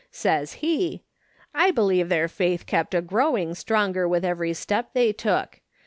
Says he :"' I believe their faith kept agrowing stronger with every step they took.